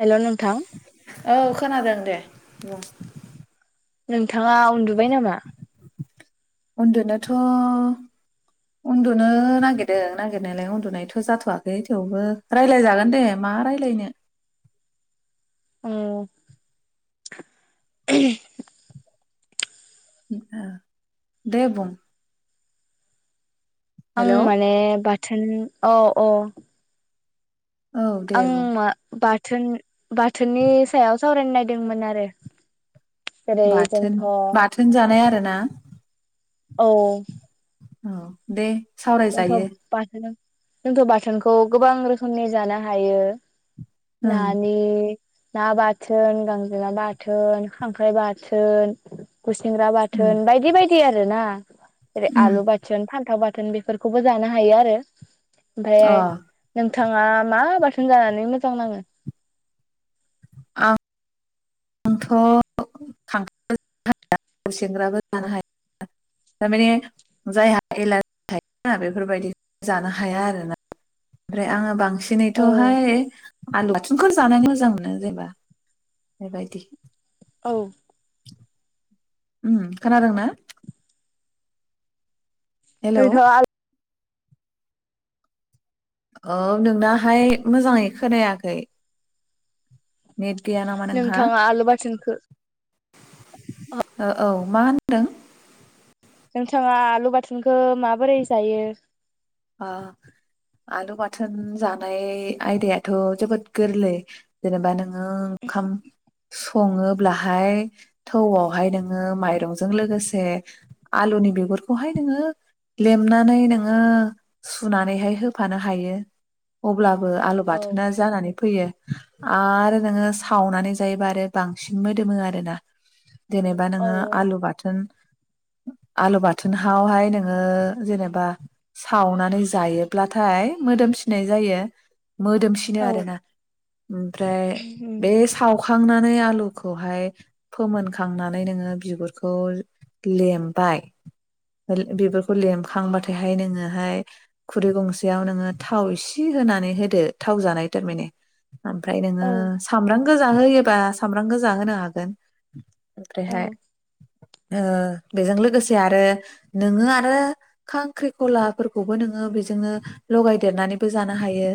हेल' नोंथां औ खोनादों दे बुं नोंथाङा उन्दुबाय नामा? उन्दुनोथ' उन्दुनो नागिरदों नागिरनायलाय उन्दुनायथ' जाथवाखै थेवबो राय्लायजागोन दे मा रायज्लायनो औ [unintelligible] [inaudible] दे बुं आं हेलौ माने बाथ औ औ औ दे आं बुं मा बाथ थोन बाथोननि सायाव सावरायनो नायदोंमोन आरो जेरै बाथोन जोंथ' बाथोन जानाय आरो ना औ औ दे [unintelligible] सावरायजायो बाथोनखौ जोंथ' बाथोनखौ गोबां रोखोमनि जानो हायो। ओं नानि ना बाथोन गांजेमा बाथोन खांख्राइ बाथोन गुसेंग्रा उम बाथोन बायदि बायदि आरोना जेरै उम आलु बाथोन फान्थाव बाथ थोन बे बेफोरखौबो जानो हायो आरो ओमफ्राय अ नों नोंथाङा मा बाथोन जानानै मोजां नाङो आं आंथ खांख्राइ बो जानो हाया खुसेंग्राबो जानो हाया थारमाने जायहा एलारजि थायो बेफोरबायदि जानो हाया आरोना ओमफ्राय आङो बांसिन औ एांसिनैथहाय आनलाथुनखौ जानो मोजां मोनो जेबा बेबायदि औ ओम खोनादोंना हेलौ नोंथाङा आलु औ नोंनाहाय मोजाङै खोनायाखै नेट गैया नामा नोंहा नोंथाङा आलु बाथोनखौ औ औ मा होनदों नोंथाङा आलु बाथोनखौ माबोरै जायो आलु बाथोन जानाय आयदायाथ जोबोद गोरलै जेनेबा नों ओंखाम सङोब्लाहाय थौआवहाय नोङो माइरंजों लोगोसे आलुनि बिगुरखौहाय नोङो लेमनानै नोङो सुनानैहाय होफानो हायो। अब्लाबो आलु औ बाथोना जानानै फैयो। आरो नोङो सावनानै जायोबा आरो बांसिन मोदोमो आरोना। जेनेबा औ नोङो आलु बाथोन। आलु बाथोनावहाय नोङो जेनेबा। सावनानै जायोब्लाथाय मोदोम सिनाय जायो। मोदोमसिनो औ आरोना। ओमफ्राय बे साव सावखांनानै आलुखौहाय फोमोनखांनानै नोङो बिगुरखौ लेमबाय बिगुरखौ लेमखांबाथायहाय नोङो। ओफाय खुरै गंसेयाव नोङो थाव इसे होनानै होदो थाव जानाय थारमाने। ओमफ्राय औ नोङो सामब्राम। गोजा होयोबा सामब्राम गोजान होनो हागोन। ओमफ्रायहाय। ओ बेजों लोगोसे आरो नोङो आरो खांख्रिखला। फोरखौबो नोङो बेजोंनो लगायदेरनानैबो जानो हायो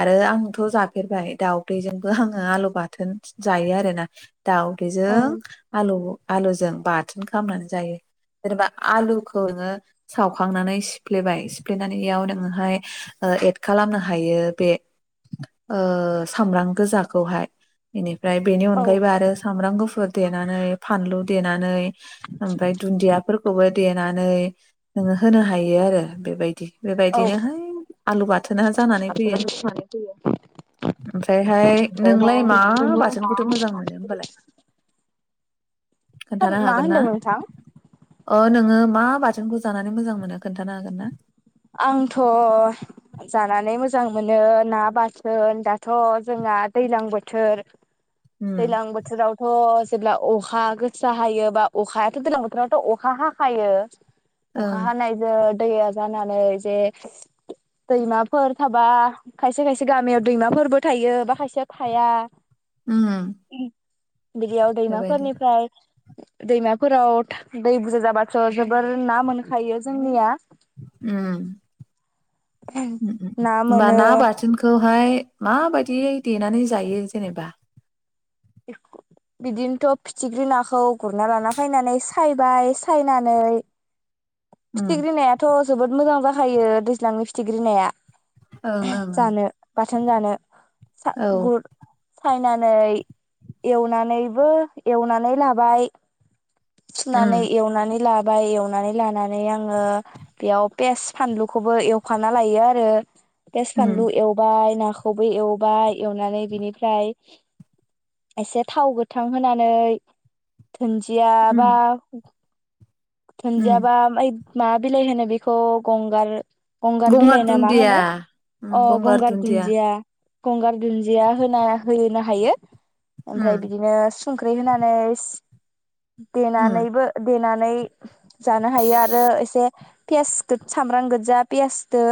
आरो आंथ जाफेरबाय दाउदैजोंबो आङो आलु बाथोन जायो आरोना। दाउदैजों ओं आलु आलुजों बाथोन खालामनानै जायो जेनेबा आलुखौ नोङो सावखांनानै सि सिफ्लेबाय सिफ्लेनानैयाव नोङोहाय एड खालामनो हायो बे ओ सामब्राम गोजाखौहाय बेनि ओमफ्राय बेनि औ अनगायैबो आरो सामब्राम गुफुर देनानै फानलु देनानै ओमफफ्राय दुन्दियाफोरखौबो देना नानै नोङो होनो हायो आरो बेबायदि औ बेबायदिनोहाय आलु बाथोना जानानै फैयो ओमफ्रायहाय नोंलाय मा बाथोनखौथ' मोजां मोनो होनबालाय खोन्थानो मा हागोन ना होनदों नोंथां? अ नोङो मा बाथोनखौ जानानै मोजां मोनो खोन्थानो हागोन? ना आंथ' जानानै मोजां मोनो ना बाथोन दाथ' जोंना दैज्लां बोथोर उम दैज्लां बोथोरावथ' जेब्ला अखा गोसा हायो बा अखायाथ दैजलां बोथोरावथ अखा हाखायो। अखा ओं हानायजों दैया जानानै जे दैमाफोर थाबा खायसे खायसे गामियाव दैमाफोरबो थायो बा खायसेया थाया। उम बिदियाव बेबायदि दैमाफोरनिफ्राय दैमाफोराव दै बुरजा जाबाथ' जोबोर ना मोनखायो जोंनिया उम उम उम उम ना होमबा मोनो ना बाथोनखौहाय माबायदि देनानै जायो जेनेबा बिदिनोथ' फिथिख्रि नाखौ गुरना लाना फैनानै सायबाय सायनानै ओम फिथिग्रि नायाथ' जोबोद मोजां जाखायो दैज्लांनि फिथिग्रि नाया ओं ओं ओं बिथों जानो सा औ गुुर फायनानै एवनानैबो एवनानै लाबाय सुनानै उम एवनानै लाब ओमफ्राय एवनानै लानानै आङो बेयाव पेस फानलुखौबो एवखाना लायो आरो पेस उम फानलु एवबाय नाखौ नाखौबो एवबाय एवनानै बिनिफ्राय खायसेया थाव गोथां होननानै धुनजि जिया उम बा उम धुनदियाबा मा बिलाय होनो बेखौ गंगार गंगार बिलाय ना मा होनो उम अ गंगार दुन्दिया धुनदिया गंगार दुनजिया होना होनो हायो। ओमफ्राय उम बिदिनो संख्रि होनानै उम देनानैबो देना नै जानो हायो आरो एसे पियास सामब्रां गोदजा पियासदो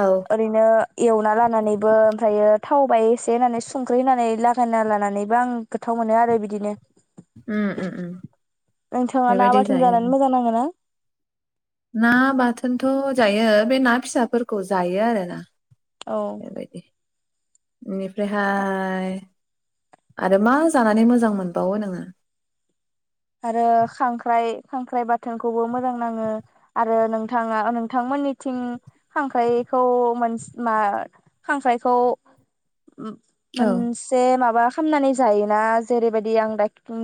औ ओरैनो एवना लानानैबो ओमफ्रायो थावबाय एसे होनानै संख्रि होननानै लागायना लानानैबो आं गोथाव मोनो आरो बिदिनो। उम उम उम नोंथांङा ना बेबायदि बाथोन जायो जानानै आरो मोजां नांङो ना। ना बाथोनथ जायो बे ना फिसाफोरखौ जायो आरोना। औ [unintelligible] रेहाय आरो मा जानानै मोजां मोनबावो नोंङो आरो खांख्राइ-खांख्राइ बाथोनखौबो मोजां नांङो आरो नोंथाङा नोंथांमोननिथिं खांख्राइखौ मा खांख्राइखौ औ मोनसे माबा खामनानै जायोना जेरैबायदि आं दा अम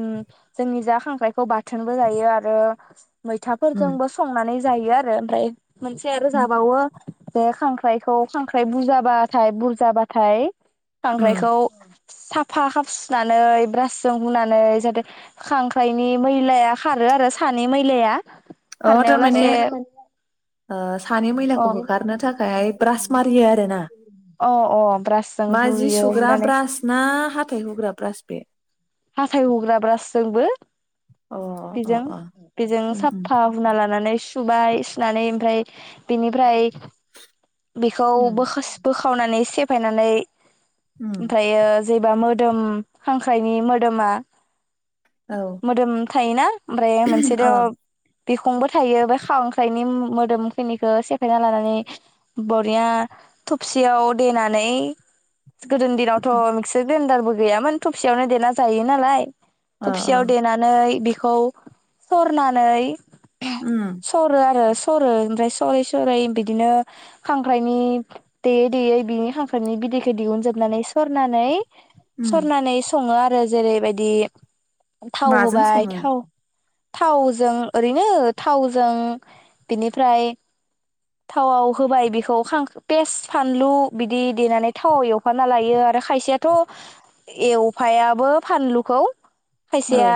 जोंनिजा खांखरायखौ बाथोनबो जायो आरो उम मैथाफोरजोंबो संनानै जायो आरो ओमफ्राय मानसे आरो जाबावो बे खांख्राइखौ-खांख्राइ बुजाबाथाय-बुरजाबाथाय उम खांख्राइखौ साफा सुनानै ब्रासजों हुनानै जाहाथे खां ख्रायनि मैलाया खारो आरो सानि मैलाया अ खारनायाव थारमाने लासै ओ सानि अ मैलाखौ होखारनो थाखाय ब्रास मारियो आरो ना अ अ ब्रासजों मा जि हुयो सुग्रा हुनानै ब्रास ना हाथाय हुग्रा ब्रास बे? हाथाइ हुग्रा ब्रासजोंबो अ अ बेजों-बेजों उम उम साफा हुना लानानै सुबाय सुनानै ओमफ्राय बिनिफ्राय बेखौ उम बोखास बो खावनानै सेफायनानै। उम ओमफ्रायो जेबा मो। दोम खांख्राइनि मो। दोमा। औ मोदोम थायोना ओमफ्राय मोनसेथ। अ बिखंबो थायो बे खावांख्राइनि मोदोमखिनिखो सेफायना लानानै बरिया थबसियाव देनानै। गोदो दिनावथ मिक्सार ग्रेन्दडारबो। गैयामोन थबसियावनो देना। जायो नालाय। अ थबसियाव देनानै। बिखौ सरनानै उम सरो आरो। सरो ओमफ्राय सरै सरै बिदिनो खांख्राइनि देयै देयै बिनि खांख्राइनि बिदैखौ दिहुनजोबनानै सरनानै। उम सरनानै सं। [inaudible] आरो जेरैबायदि। थाव माजों सङो होबाय थाव। थावजों ओरैनो थावजों बिनिफ्राय थावआव होबाय बेखौ खां पियास, फानलु बिदि देनानै थावाव एवफाना लायो आरो खायसेयाथ एवफाया। बो फानलुखौ। औ खायसेया।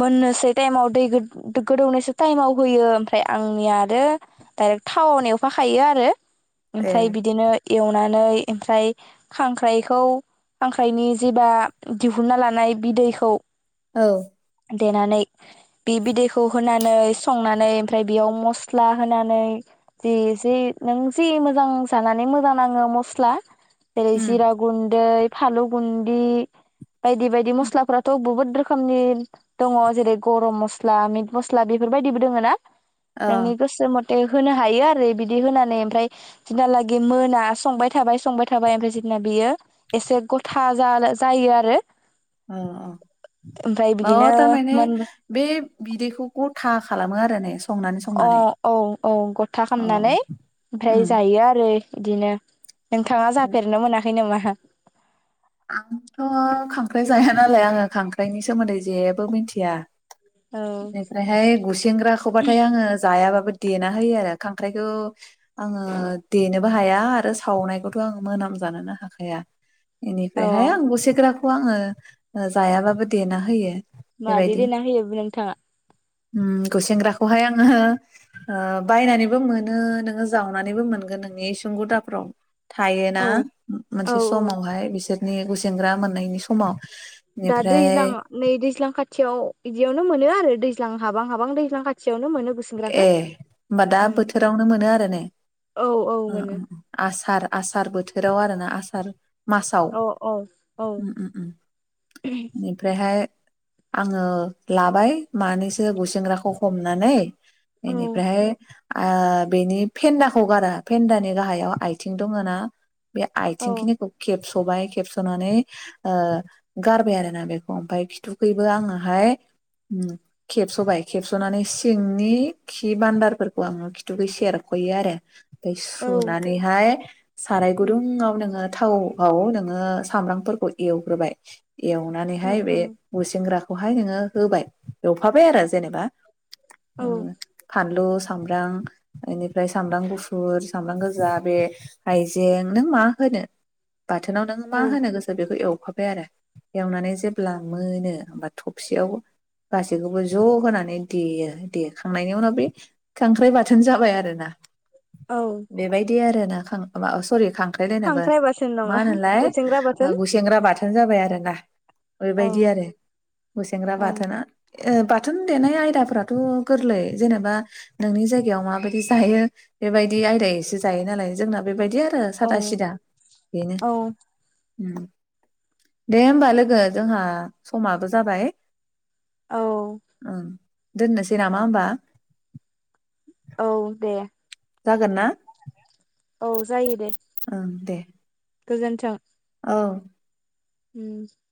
मोननोसै टाइमाव दै गो-गोदौनोसै टाइमाव होयो ओमफ्राय आंनिया आरो डाइरेक्ट थाव एवफाखायो आरो। ए ओमफाय बिदिनो। एवनानै ओमफ्राय खांख्राइखौ खांख्राइनि जेबा। दिहुनना लानाय बिदैखौ। औ। देनानै बे बिदैखौ होनानै संनानै ओमफ्राय बेयाव मस्ला होनानै जि जे नों जि मोजां जानानै मोजां नाङो मस्ला। जेरै उम जिरा गुन्दै। फालु गुन्दि। बायदि बायदि मस्लाफ्राथ बुहुत। रोखोमनि दङ जेरै गरम मस्ला मिट मस्ला बेफोरबायदिबो दोङो ना। अ नोंनि गोसो मथ थे होनो हायो आरो बिदि होनानै ओमफ्राय जनालागि मोना संबाय थाबाय संबाय थाबाय ओमफ्राय जेना बियो एसे गथा जा जायो आरो। ओ ओमफ्राय ओ‌ बिदिनो औ थारमाने मोन बे बिदैखौ गथा खालामो आरो ने। संनानै अ संनानै औ औ गथा अ खालामनानै ओमफ्राय उम जायो आरो। बिदिनो। नोंथाङा जाफेरनो मोनाखै नामा। [unintelligible] आंथ खांख्राइ जाया नालाय आंङो खांख्राइनि सोमोन्दै जेबो मिथिया । औ बेनिफ्रायहाय गुसेंग्राखौबाथाय आंङो जायाबाबो देना होयो आरो खांख्राइखौ आंङो देनोबो हाया आरो सावनायखौथ आंङो मोनामजानोनो हाखाया । अ बेनिफ्रायहाय आं गुसेंग्रा खौ आंङो जायाबाबो देना होयो । मारै देना होयोबो बु नोंथांङा? उम्म गुसेेंग्राखौहाय आंङो ओ बायनानैबो मोनो नोंङो जावनानैबो मोनगोन नोंनि इसुंगुदाफ्राव । थायोना औ औ मोनसे औ समावहाय बिसोरनि गुसेेंग्रा मोननायनि समाव दा बेनिफ्राय दैज्लां नै दैज्लां खाथियाव बिदियावनो मोनो आरो दैज्लां हाबां हाबां दैज्लां खाथियावनो मोनो । ए होमबा दा बोथोरावनो मोनो आरो ने औ औ उम्म मोनो उम्म आसार । आसार बोथोराव आरो ना आसार । मासाव औ औ औ उम्म उम्म उम्म बेनिफ्रायहाय आंङो लाबाय मानैसो गुसेंग्राखौ हमनानै औ बेनिफ्रायहाय ओ बेनि फेन्दाखौ गारा फेन्दानि गाहायाव आइथिं दङ ना? बे औ आथिंखिनिखौ खेबस खबाय खेबसनानै ओ गारबाय आरोना बेखौ ओमफाय खिथुखैबो आङोहाय उम्म खेबसबाय खेबसनानै सिं नि खि बान्दारफोरखौ आंङो खिथुखै सेरखयो आरो । औ सुनानैहाय साराय उम गुदुंआव नोंङो थावआव नोंङो सामब्रामफोरखौ एवग्रोबाय उम एवनानैहाय बे उम गुसेंग्रा खौहाय नोंङो होबाय एवफाबाय आरो जेनेबा औ उम्म फानलुस सामब्राम बेनिफ्राय सामब्राम गुफुर, सामब्राम गोजा, बे हायजें नों मा होनो बाथोनाव नों मा औ होनो गोसो बेखौ एव फाबाय आरो एवनानै जेब्ला मोनो होमबा थबसियाव गासैखौबो ज होनानै देयो । देखांनायनि उनाव बे खांख्राइ बाथोन जाबाय आरोना औ । बेबायदि आरोना । खां माबा अह सरि खांख्रायलायनोबो खांख्राइ बाथोन मा नङा होनोलाय गुसेंग्रा बाथोन ओ गुसेंग्रा बाथोन जाबाय आरोना । औ बेबायदि आरो गुसेेंग्रा ओं बाथोना । ओ बाथोन देनाय आयदाफोराथ गोरलै जेनेबा नोंनि जायगायाव माबायदि जायो बेबायदि आयदायैसो जायो नालाय जोंना बेबायदि आरो ओ औ सादा सिदा बेनो औ उम दे होमबा लोगो जोंहा समाबो जाबाय। औ ओं दोननोसै बै नामा होमबा औ दे जागोन ना? औ जायो दे ओं दे गोजोन्थों औ उम